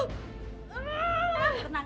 tenang ya mbak